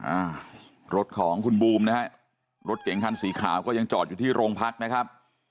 อ่ารถของคุณบูมนะฮะรถเก๋งคันสีขาวก็ยังจอดอยู่ที่โรงพักนะครับ